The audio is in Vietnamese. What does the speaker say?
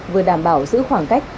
vừa đảm bảo giữ khoảng cách